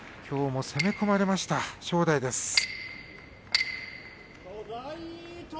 きょうも攻め込まれました正代です。